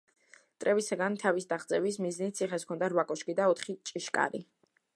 მტრებისგან თავის დაღწევის მიზნით ციხეს ჰქონდა რვა კოშკი და ოთხი ჭიშკარი.